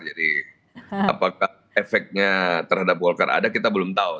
jadi apakah efeknya terhadap golkar ada kita belum tahu